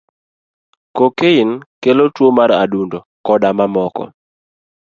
Cocaine kelo tuo mar adundo, koda mamoko.